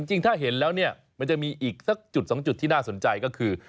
จริงถ้าเห็นแล้วเนี่ยมันจะมีอีกสักจุดสองจุดที่น่าสนใจก็คือ